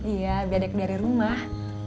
iya bedek dari rumah